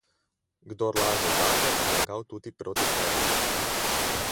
Kdor laže zate, bo lagal tudi proti tebi.